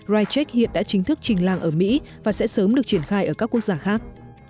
raicheck hiện đã chính thức trình làng ở mỹ và sẽ sớm được triển khai ở các quốc gia khác